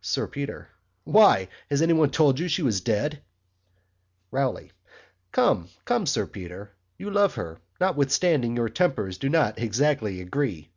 SIR PETER. Why has anybody told you she was dead[?] ROWLEY. Come, come, Sir Peter, you love her, notwithstanding your tempers do not exactly agree.